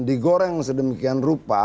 digoreng sedemikian rupa